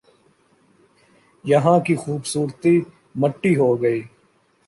یہاں کی خوبصورتی مٹی ہو گئی